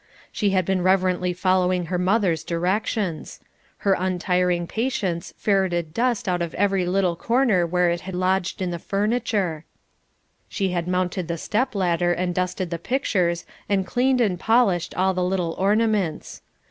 She had been reverently following her mother's directions. Her untiring patience ferreted dust out of every little corner where it had lodged in the furniture; she had mounted the step ladder and dusted the pictures, had cleaned and polished all the little ornaments.